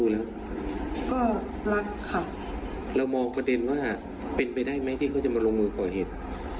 เรามองประเด็นว่าเป็นไปได้ไหมที่เค้าจะมาลงมือก่อเหตุ